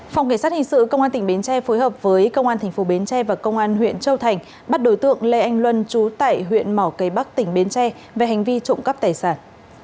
phòng cảnh sát hình sự công an tỉnh bến tre phối hợp với công an tp bến tre và công an huyện châu thành bắt đối tượng lê anh luân trú tại huyện mỏ cây bắc tỉnh bến tre về hành vi trộm cắp tài sản